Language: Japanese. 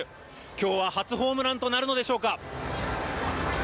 今日は初ホームランとなるのでしょうか。